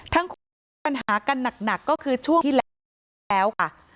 ทั้งคุณภาพมีปัญหากันหนักก็คือช่วงที่แล้ว